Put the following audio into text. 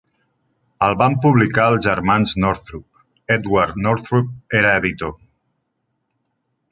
El van publicar els germans Northrup - Edward Northrup era editor.